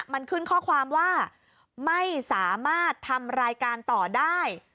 มันขึ้นข้อความว่าไม่สามารถทำรายการต่อได้